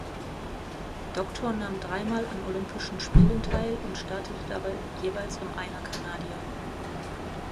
Doktor nahm dreimal an Olympischen Spielen teil und startete dabei jeweils im Einer-Canadier.